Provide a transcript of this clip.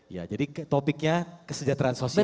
ya jadi topiknya kesejahteraan sosial